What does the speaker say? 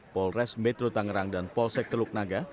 polres metro tangerang dan polsek teluk naga